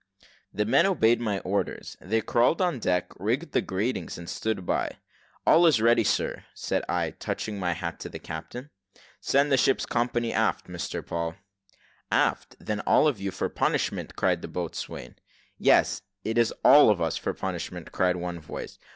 The men obeyed my orders: they crawled on deck, rigged the gratings, and stood by. "All is ready, sir," said I, touching my hat to the captain. "Send the ship's company aft, Mr Paul." "Aft, then, all of you, for punishment," cried the boatswain. "Yes, it is all of us for punishment," cried one voice.